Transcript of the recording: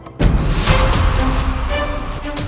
kamu memabulkan serangan kamu